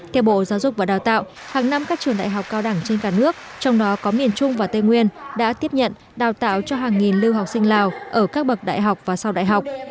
theo bộ giáo dục và đào tạo hàng năm các trường đại học cao đẳng trên cả nước trong đó có miền trung và tây nguyên đã tiếp nhận đào tạo cho hàng nghìn lưu học sinh lào ở các bậc đại học và sau đại học